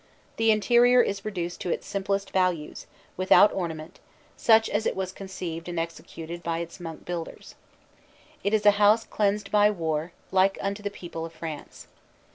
The interior is reduced to its simplest values, without ornament, such as it was conceived and executed by its monk builders. It is a house cleansed by war like unto the people of France.